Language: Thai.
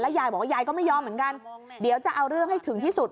ยายบอกว่ายายก็ไม่ยอมเหมือนกันเดี๋ยวจะเอาเรื่องให้ถึงที่สุด